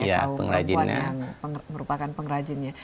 atau perempuan yang merupakan pengrajinnya